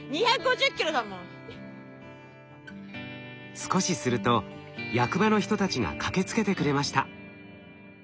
少しすると役場の人たちが駆けつけてくれました。